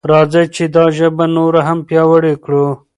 راځئ چې دا ژبه نوره هم پیاوړې کړو.